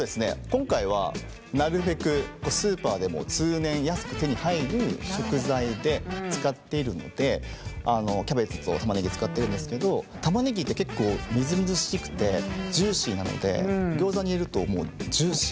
今回はなるべくスーパーでも通年安く手に入る食材で使っているのでキャベツと玉ねぎ使ってるんですけど玉ねぎって結構みずみずしくてジューシーなのでギョーザに入れるともうジューシーな。